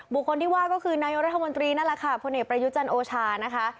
คนที่ว่าก็คือนายกรัฐมนตรีนั่นแหละค่ะพลเอกประยุจันทร์โอชานะคะ